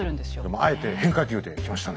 あえて変化球できましたね。